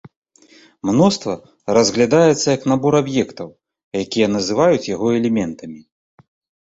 Мноства разглядаецца як набор аб'ектаў, якія называюць яго элементамі.